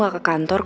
udah ke kamar dulu